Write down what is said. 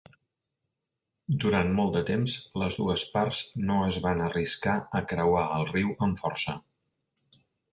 Durant molt de temps les dues parts no es van arriscar a creuar el riu amb força.